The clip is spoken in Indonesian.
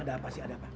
ada apa sih pak